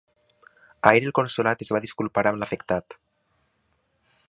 Ahir el consolat es va disculpar amb l’afectat.